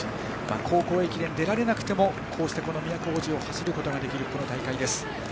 高校駅伝出られなくてもこうして都大路を走ることができるこの大会です。